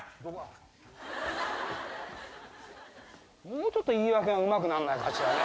もうちょっと言い訳がうまくなんないかしらね。